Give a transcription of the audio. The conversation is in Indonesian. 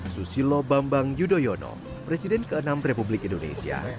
susilo bambang yudhoyono presiden ke enam republik indonesia